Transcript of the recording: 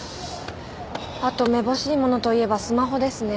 あとめぼしいものといえばスマホですね。